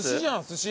寿司。